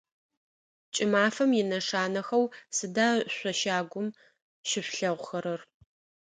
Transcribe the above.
Кӏымафэм инэшанэхэу сыда шъо щагум щышъулъэгъухэрэр?